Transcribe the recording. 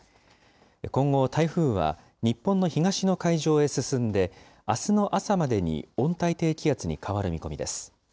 今後、台風は日本の東の海上へ進んで、あすの朝までに温帯低気圧に変わる見込みです。